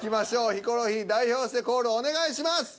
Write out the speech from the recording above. ヒコロヒー代表してコールお願いします！